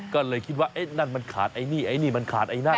ก็เลยคิดว่าเอ๊ะนั่นมันขาดไอ้นี่ไอ้นี่มันขาดไอ้นั่น